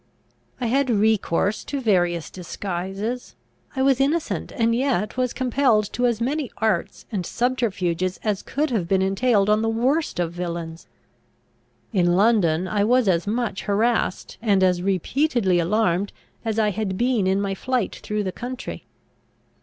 I had recourse to various disguises; I was innocent, and yet was compelled to as many arts and subterfuges as could have been entailed on the worst of villains. In London I was as much harassed and as repeatedly alarmed as I had been in my flight through the country.